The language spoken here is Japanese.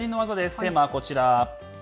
テーマはこちら。